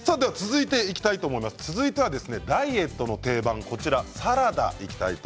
続いては、ダイエットの定番サラダです。